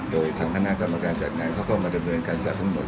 โดยทางคณะกรรมการจัดงานเขาก็มาดำเนินการจัดทั้งหมด